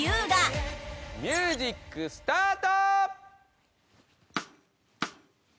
ミュージックスタート！